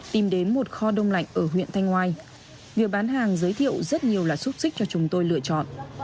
tìm đến một kho đông lạnh ở huyện thanh ngoài việc bán hàng giới thiệu rất nhiều loại xúc xích cho chúng tôi lựa chọn